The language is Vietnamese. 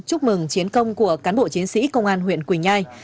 chúc mừng chiến công của cán bộ chiến sĩ công an huyện quỳnh nhai